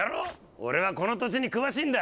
俺はこの土地に詳しいんだ。